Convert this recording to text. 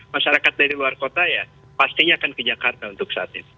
masyarakat dari luar kota ya pastinya akan ke jakarta untuk saat ini